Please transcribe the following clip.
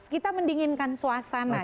kita mendinginkan suasana